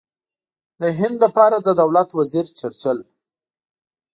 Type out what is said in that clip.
د هند لپاره د دولت وزیر چرچل.